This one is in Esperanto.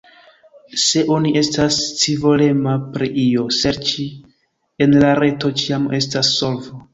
Se oni estas scivolema pri io, serĉi en la reto ĉiam estas solvo.